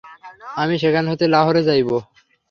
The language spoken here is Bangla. আমি সেখান হতে লাহোরে যাইব।